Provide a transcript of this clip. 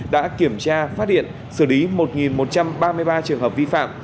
đã kiểm tra phát điện xử lý một nghìn một trăm ba mươi ba trường hợp vi phạm